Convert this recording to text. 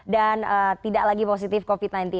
dan tidak lagi positif covid sembilan belas